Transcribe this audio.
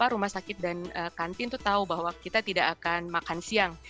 rumah sakit dan kantin itu tahu bahwa kita tidak akan makan siang